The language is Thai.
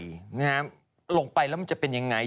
ลงไปแล้วมันจะเป็นยังไง